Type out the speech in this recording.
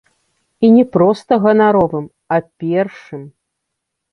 І не проста ганаровым, а першым.